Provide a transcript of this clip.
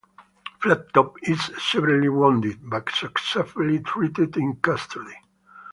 Flattop is severely wounded, but successfully treated in custody.